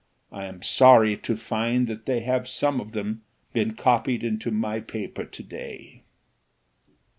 I am sorry to find that they have some of them been copied into my paper to day."